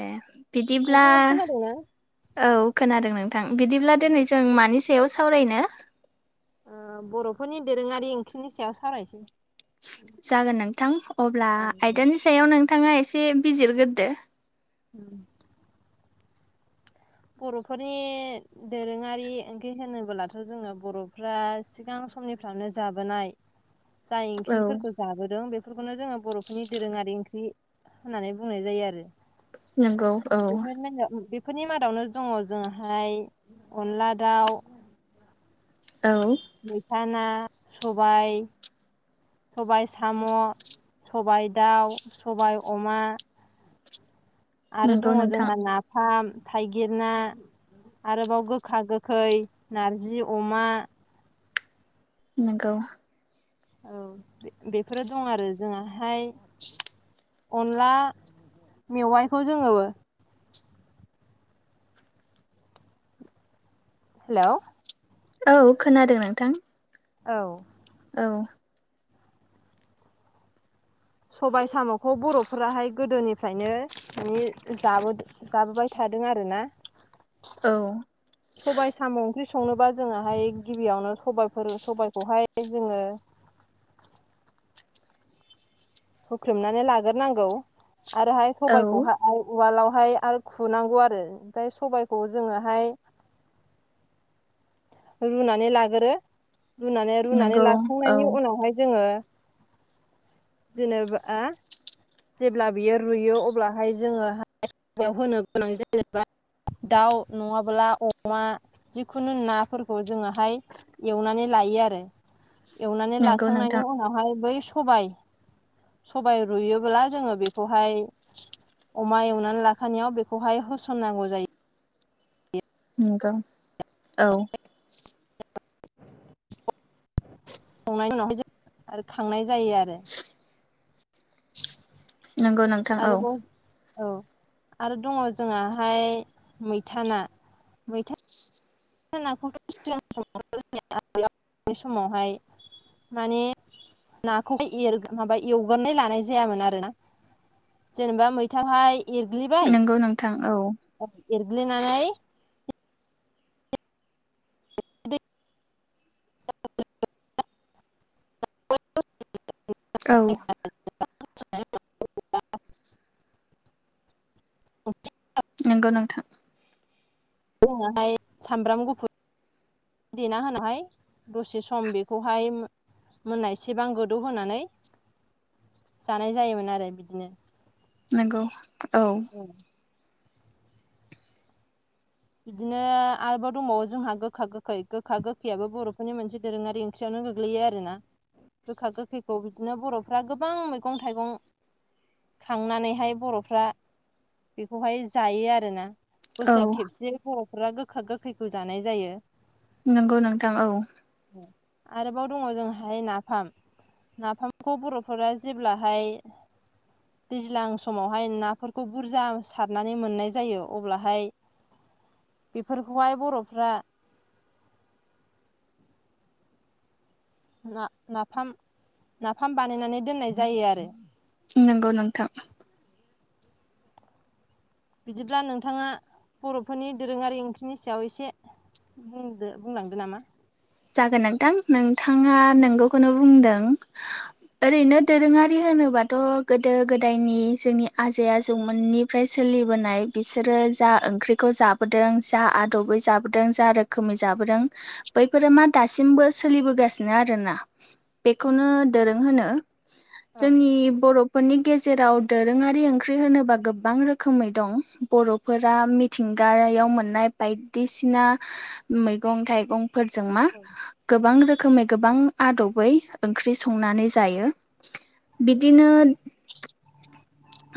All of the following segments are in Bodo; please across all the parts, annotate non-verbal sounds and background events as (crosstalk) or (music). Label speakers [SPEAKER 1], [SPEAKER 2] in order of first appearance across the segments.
[SPEAKER 1] ए बिदिब्ला
[SPEAKER 2] नोंथाङाबो खोनादोंना?
[SPEAKER 1] औ खोनादों नोंथां बिदिब्ला दिनै जों मानि सायाव सावरायनो?
[SPEAKER 2] ओ बर'फोरनि दोरोङारि ओंख्रिनि सायाव सावरायसै
[SPEAKER 1] जागोन नोंथां अब्ला
[SPEAKER 2] औ दे।
[SPEAKER 1] आयदानि सायाव नों थाङा एसे बिजिरग्रोदो
[SPEAKER 2] ओम बर'फोरनि दोरोङारि ओंख्रि होनोबोलाथ' जोङो बर'फ्रा सिगां समनिफ्रायनो जाबोनाय जाय ओंख्रिफोरखौ जाबोदों बे बे फोरफोरखौनो जोङो बर'फोरनि दोरोङारि ओंख्रि होननानै बुंनाय जायो आरो
[SPEAKER 1] नंगौ औ
[SPEAKER 2] बेफोरनि मादावनो दङ जोंहाय अनला दाउ
[SPEAKER 1] औ
[SPEAKER 2] मैथा ना सबाय सबाय साम' सबाय दाउ सबाय अमा आरो
[SPEAKER 1] नंगौ
[SPEAKER 2] दङ
[SPEAKER 1] नोंथां
[SPEAKER 2] जोंहा नाफाम थाइगिर ना आरोबाव गोखा गोखै नारजि अमा
[SPEAKER 1] नंगौ
[SPEAKER 2] औ बेफोरो दं आरो जोंहाहाय
[SPEAKER 1] (unintelligible)
[SPEAKER 2] अनला मेवाइखौ जोङो हेलौ
[SPEAKER 1] औ खोनादों नोंथां
[SPEAKER 2] औ
[SPEAKER 1] औ
[SPEAKER 2] सबाय साम'खौ बर'फोराहाय गोदोनिफ्रायनो माने जाबो जाबोबाय था थादों आरोना
[SPEAKER 1] औ
[SPEAKER 2] सबाइ साम'ओंख्रि सं संनोबा जोङाहाय गिबियावनो सबाइफोर सबायखौहाय जोङो (inaudible) हुख्रेमनानै लाग्रोनांगौ आरोहाय
[SPEAKER 1] औ
[SPEAKER 2] सबाइखौहाय उवालाव हाय आल खुनांगौ आरो ओमफाय सबायखौ जोङोहाय रुनानै लागोरो रुनानै रुनानै
[SPEAKER 1] नंगौ औ
[SPEAKER 2] लाखांनायनि उनावहाय जोङो जेनेबा जेब्ला बियो रुयो अब्लाहाय जोङोहाय बेव होनो गोनां जायोबाय दाउ नङाबोला अमा जिखुनु नाफोरखौ जोङोहाय एवनानै ला हायो आरो। एवनानै
[SPEAKER 1] नंगौ नोंथां
[SPEAKER 2] लाखांनायनि उनावहाय बै सबाइ सबाइ रुयो ब्ला जोङो बेखौहाय अमा एवनानै लाखानायाव बेखौहाय होसननांगौ जायो
[SPEAKER 1] नोंगौ औ।
[SPEAKER 2] संनायनि उनाव आरो खांनाय जायो आरो
[SPEAKER 1] नंगौ नोंथां औ
[SPEAKER 2] आरोबाव औ आरो दङ' जोङाहाय मैथा ना मैथा नाखौथ' सिगां समाव आबै आबौनि समावहाय माने नाखौहाय एर माबा एवगोरनाय लानाय जायामोन आरोना? जेनेबा मैथांहाय एरग्लिबाय
[SPEAKER 1] नंगौ नोंथां औ
[SPEAKER 2] औ एरग्लिनानै (inaudible)
[SPEAKER 1] औ
[SPEAKER 2] (inaudible) (inaudible)
[SPEAKER 1] नोंगौ नोंथां।
[SPEAKER 2] जोङाहाय सामब्राम गुफु देना होनाहाय दसे सम बेखौहाय मोननाय सेबां गोदौ होनानै जानाय जायोमोन आरो बिदिनो।
[SPEAKER 1] नोंगौ औ।
[SPEAKER 2] बिदिनो आरोबाव दंबावो जोंहा गोखा गोखै गोखा गोखैयाबो बर'फोरनि मोनसे दोरोङारि ओंख्रियावनो गोग्लैयो आरोना। गोखा गोखैखौ बिदिनो बर'फ्रा गोबां मैगं-थाइगं खांनानैहाय बर'फ्रा बेखौहाय जायो आरोना।
[SPEAKER 1] औ
[SPEAKER 2] बे बर'फोरा गोखा गोखैखौ जानाय जायो।
[SPEAKER 1] नोंगौ नोंथां औ।
[SPEAKER 2] आरोबाव दङ' जोंहाय नाफाम नाफामखौ बर'फोरा जेब्लाहाय दैज्लां समावहाय नाफोरखौ बुरजा सारनानै मोननाय जायो अब्लाहाय बेफोरखौहाय बर'फ्रा ना नाफाम नाफाम बानायनानै दोननाय जायो आरो।
[SPEAKER 1] नोंगौ नोंथां।
[SPEAKER 2] बिदिब्ला नोंथाङा बर'फोरनि दोरोङारि ओंख्रिनि सायाव इसे बुंदो बुंलांदो नामा!
[SPEAKER 1] जागोन नोंथां नोंथाङा नोंगौखौनो बुंदों ओरैनो दोरोङारि होन नोबाथ' गोदो गोदायनि जोंनि आजै आजौमोननिफ्राय सोलिबोनाय बिसोरो जा ओंख्रिखौ जाबोदों जा आदबै जाबोदों जा रोखोमै जाबोदों बै फोरो मा दासिमबो सोलिबोगासिनो आरोना बेखौनो दोरों होनो।
[SPEAKER 2] औ
[SPEAKER 1] जोंनि बर'फोरनि गेज जेराव दोरोङारि ओंख्रि होनोबा गोबां रोखोमै दं बर'फोरा मिथिंगाया याव मोननाय बायदिसिना मैगं थाइगं फोरजों मा
[SPEAKER 2] औ
[SPEAKER 1] गोबां रोखोमै गोबां आदबै ओंख्रि संनानै जायो। बिदिनो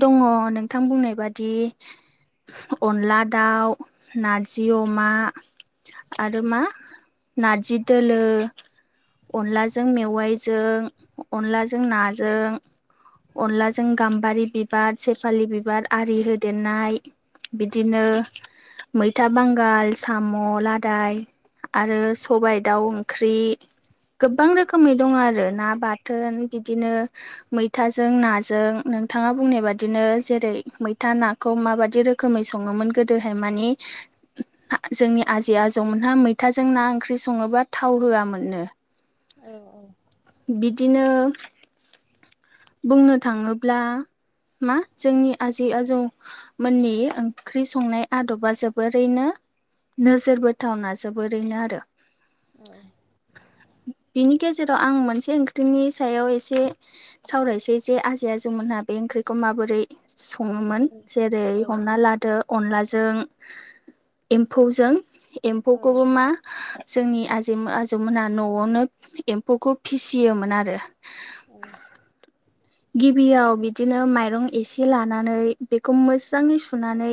[SPEAKER 1] दङ नोंथां बुंनाय बादि अनला दाउ, नारजि अमा आरो मा नारजि दोलो अनलाजों मेवाइजों, अनलाजों नाजों अनलाजों गाम्बारि बिबार सेफालि बिबार आरि होदेरनाय बिदिनो मैथा बांगाल साम' लादाय आरो सबायाइ दाउ ओंख्रि गोबां रोखोमै दङ आरो ना बाथोन बिदिनो मैथाजों नाजों नों थाङा बुंनाय बादिनो जेरै मैथा नाखौ माबायदि रोखोमै सङोमोन गोदोहाय मानि जोंनि आजै आजैमोनहा मैथाजों ना ओंख्रि सङोबा थाव होआमोननो
[SPEAKER 2] औ
[SPEAKER 1] बिदिनो बुंनो थाङोब्ला
[SPEAKER 2] (inaudible)
[SPEAKER 1] मा जोंनि आजै आजौमोननि ओंख्रि संनाय आदबा जोबोरैनो नोजोरबोथावना जोबोरैनो आरो
[SPEAKER 2] औ
[SPEAKER 1] बिनि गेजेराव आं मोनसे ओंख्रिनि सायाव एसे सावरायनोसै जे आजै आजौमोनहा बे ओंख्रिखौ माबोरै सङोमोन जेरै
[SPEAKER 2] औ
[SPEAKER 1] हमना लादो अनला जों एम्फौजों
[SPEAKER 2] औ
[SPEAKER 1] एम्फौखौबो मा जोंनि आजै आजौमोनहा न'आवनो एम्फौखौ फिसियोमोन आरो
[SPEAKER 2] औ
[SPEAKER 1] गिबियाव बिदिनो माइरं एसे लानानै बेखौ मोजाङै सुनानै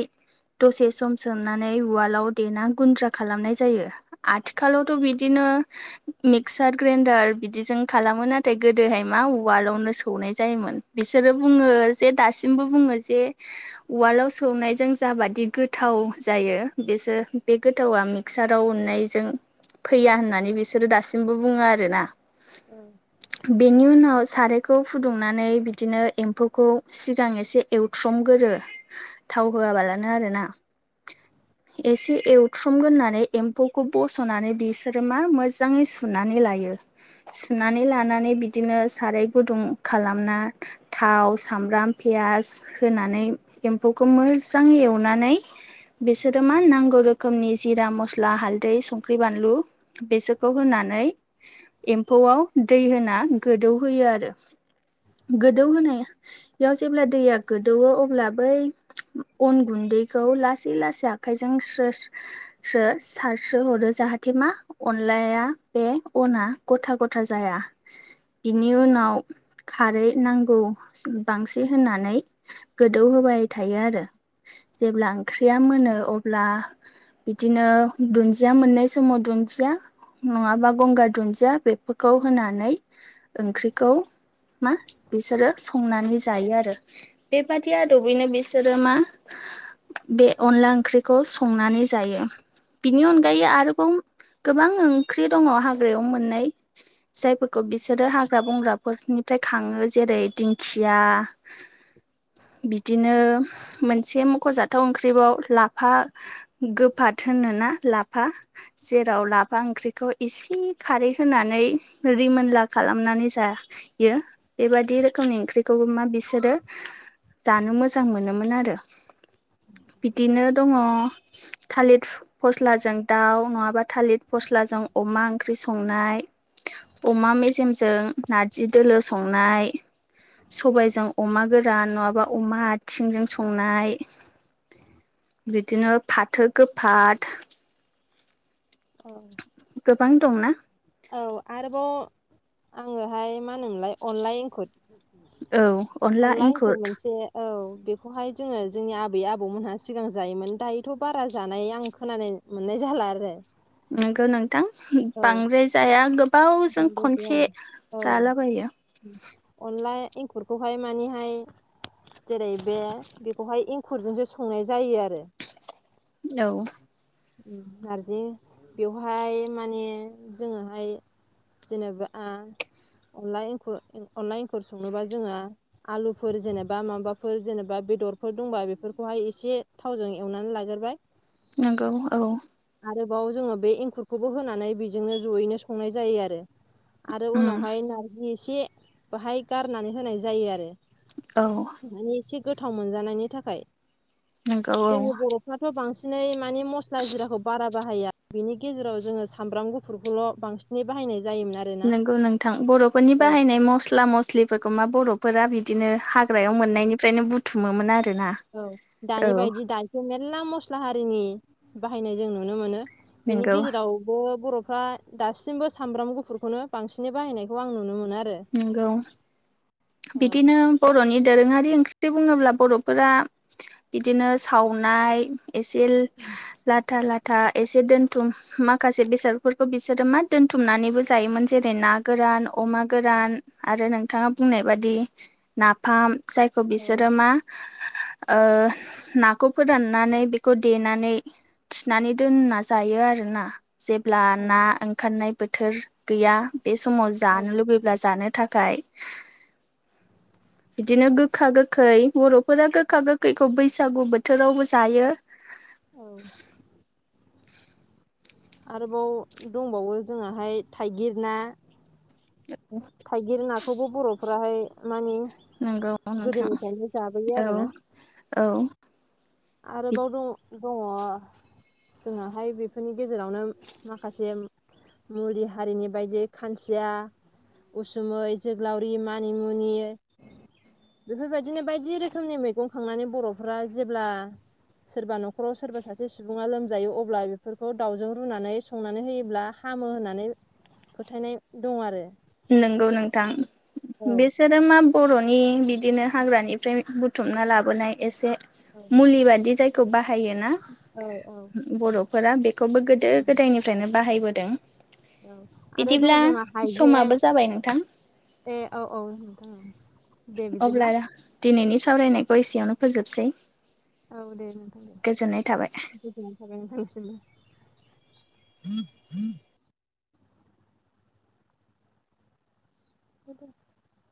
[SPEAKER 1] दसे सम सोमनानै उवालाव देना गुन्द्रा खालामनाय जायो आथिखालावथ' बिदिनो मिगसार ग्रेनदार बिदिजों खालामो नाथाय गोदोहाय मा उवालावनो सौनाय जायोमोन बिसोरो बुङो जे दासिमबो बुङो जे उवालआव सौनायजों जाबादि गोथाव जायो बेसो गो थावा मिक्साराव उननायजों फैया होननानै बिसोरो दासिमबो बुङो आरोना बेनि उनाव सारायखौ फुदुंनानै बिदिनो एम्फौखौ सिगां एसे एवथ्रमगोरो थाव होआबाला जानो आरो ना
[SPEAKER 2] (inaudible)
[SPEAKER 1] एसे एवथ्रमग्रोनानै एम्फौखौ बस'नानै बिसोरो मा मोजाङै सुनानै लायो सुनानै लानानै बिदिनो साराय गुदुं खालामना थाव सामब्राम पियास होनानै एम्फौखौ मोजाङै एवनानै बिसोरो मा नांगौ रोखोमनि जिरा मस्ला हालदै संख्रि बानलु बेसोरखौ होना नै एम्फौआव दै होना गोदौहोयो आरो
[SPEAKER 2] (inaudible)
[SPEAKER 1] गोदौ होनायाव जेब्ला दैया गोदौवो अब्ला बै अन गुन्दैखौ लासै लासै आखाइजों स्रो स्रो सारस्रो हरो जाहाथे मा अनला या बे अना गथा गथा जाया। बिनि उनाव खारै नांगौ बांसिन होनानै गोदौहोबाय थायो आरो। जेब्ला ओंख्रिया मोनो अब्ला बिदिनो दुन्दिया मोननाय समाव दुन दिया नङाबा गंगार दुन्दिया बेफोरखौ होनानै ओंख्रिखौ मा बिसोरो संनानै जायो आरो बेबादि आदबैनो बिसोरो मा बे अनला ओंख्रिखौ संनानै जायो बिनि अनगायै आरोबाव गोबां ओंख्रि दङ' हाग्रायाव मोननाय जायफोरखौ बिसोरो हाग्रा बंग्राफोरनि फ्राय खाङो जेरै दिंखिया बिदिनो मोनसे मख'जाथाव ओंख्रिबाव ला फा गोफाथ होनोना ला फा जेराव लाफा ओंख्रिखौ एसे खारै होनानै रिमोनला खालामना नानै जायो। बेबायदि रोखोमनि ओंख्रिखौबो मा बिसोरो जानो मोजां मोनोमोन आरो।
[SPEAKER 2] (inaudible)
[SPEAKER 1] बिदिनो दङ' थालिर फस्लाजों दाउ नङाबा थालिर फस्लाजों अमा ओंख्रि संनाय। अमा मेजेमजों नारजि दोलो संनाय। सबायजों अमा गोरान नङाबा अमा आथिंजों संनाय बिदिनो फाथो गोफाद
[SPEAKER 2] औ
[SPEAKER 1] गोबां दंना
[SPEAKER 2] औ आरोबाव आङोहाय मा होनोमोनलाय अनला एंखुर अनला एंखुर मोनसे औ बेखौहाय जोङो जोंनि आबै आबौमोनहा सिगां जायोमोन दायोथ' बारा जानाय आं खोनानाय मोननाय जा जाला आरो।
[SPEAKER 1] नंगो नों थां
[SPEAKER 2] औ
[SPEAKER 1] बांद्राय जाया गोबावजों खनसे जालाबायो
[SPEAKER 2] अनलाय एंखुरखौहाय मानिहाय जेरै बे बेखौहाय एंखुरजोंसो संनाय जायो आ
[SPEAKER 1] औ
[SPEAKER 2] नारजि बेवहाय माने जोङोहाय जेनेबा अनला एंखुर अनला एंखुर संनोबा जोङो आलुफोर जेनेबा माबाफोर जेनेबा बेदरफोर दंबा बेफोरखौहाय एसे थावजों एवनानै लागोरबाय
[SPEAKER 1] नंगौ औ
[SPEAKER 2] आरोबाव जोङो बे एंखुरखौबो होनानै बेजोंनो जयैनो संनाय जायो आरो। आरो
[SPEAKER 1] उम
[SPEAKER 2] उनावहाय नारजि एसे बाहाय गारनानै होनाय जायो आरो।
[SPEAKER 1] औ
[SPEAKER 2] माने एसे गोथाव मोनजानायनि थाखाय।
[SPEAKER 1] नंगौ औ
[SPEAKER 2] जोंनि बर'फ्राथ' बांसिनै माने मस्ला जिराखौ बारा बाहाया बिनि गेजेराव जोङो सामब्राम गुफुरखौल' बांसिनै बाहायनाय जायोमोन आरोना
[SPEAKER 1] नंगौ नोंथां बर'फोरनि
[SPEAKER 2] औ
[SPEAKER 1] बाहायनाय मस्ला मस्लिफोरखौ मा बर'फोरा बिदिनो हा ग्रायाव
[SPEAKER 2] औ
[SPEAKER 1] मोननायनिफ्रायनो बुथुमोमोन आरो।
[SPEAKER 2] औ दानि बायदि दायोसो मेरला मस्ला हारिनि बाहायनाय जों नुनो मोनो। बिनि
[SPEAKER 1] नंगौ
[SPEAKER 2] गेजेरावबो बर' फ्रा दासिमबो सामब्राम गुफुरखौनो बांसिनै बाहायनायखौ आं नुनो मोनो आरो
[SPEAKER 1] नंगौ
[SPEAKER 2] औ
[SPEAKER 1] बिदिनो बर'नि दोरोङा रि ओंख्रि बुङोब्ला बर'फोरा बिदिनो सावनाय एसेल लाथा ला था एसे दोनथुम माखासे बेसादफोरखौ बिसोरो मा दोन्थुमनानैबो जायोमोन जेरै ना गो रान अमा गोरान आरो नोंथाङा बुंनाय बादि नाफाम। जायखौ
[SPEAKER 2] औ
[SPEAKER 1] बिसोरो मा ओ नाखौ फोराननानै बेखौ देनानै थिनानै दोनना जा यो आरोना जेब्ला ना
[SPEAKER 2] औ
[SPEAKER 1] ओंखारनाय बोथोर गैया बे समाव
[SPEAKER 2] औ
[SPEAKER 1] जानो लुबैयो जानो थाखाय बिदिनो गोखा गोखै बरफोरा गोखा गोखैखौ बैसागु बोथोरावबो जायो
[SPEAKER 2] औ आरोबाव दंबावो जोंहाहाय थाइगिर ना थाइगिर नाखौबो बरफोराहाय माने
[SPEAKER 1] नंगौ नोंथां
[SPEAKER 2] गोदोनिफ्रायनो जाबोयो
[SPEAKER 1] औ
[SPEAKER 2] आरोना
[SPEAKER 1] औ
[SPEAKER 2] आरोबाव दङ जोंहाहाय बेफोरनि गेजेरावनो माखासे मुरि हारिनि बायदि खानसिया उसुमै जोग्लावरि मानिमुनि बेफोरबायदिनो बायदि रोखोमनि मैगं खांनानै बरफोरा जेब्ला सोरबा नखराव सोरबा सासे सुबुङा लोमजायो अब्ला बेफोरखौ दाउजों रुनानै संनानै होयोब्ला हामो होननानै फोथायनाय दं आरो
[SPEAKER 1] नोंगौ नोंथां
[SPEAKER 2] औ
[SPEAKER 1] बिसोरो मा बरनि बिदिनो हाग्रानिफ्राय बुथुमना लाबोनाय एसे
[SPEAKER 2] औ
[SPEAKER 1] मुलि बादि जायखौ बाहायोना
[SPEAKER 2] औ
[SPEAKER 1] बरफोरा बे खौबो गोदो गोदायनिफ्रायनो बाहायबोदों
[SPEAKER 2] औ आरो दं
[SPEAKER 1] बिदिब्ला
[SPEAKER 2] जोंहा हाइजें
[SPEAKER 1] समाबो जाबाय नोंथां
[SPEAKER 2] ए औ औ नोंथां दे
[SPEAKER 1] अब्ला
[SPEAKER 2] बिदिब्ला
[SPEAKER 1] दिनैनि सावरायनायखौ एसेयावनो फोजोबसै
[SPEAKER 2] औ दे नोंथां
[SPEAKER 1] गोजोननाय थाबाय।
[SPEAKER 2] गोजोननाय थाबाय नोंथांनिसिमबो
[SPEAKER 1] (inaudible)
[SPEAKER 2] (unintelligible)